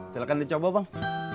silahkan dicoba bang